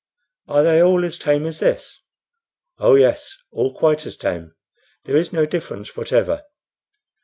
"Are they all as tame as this?" "Oh yes, all quite as tame; there is no difference whatever."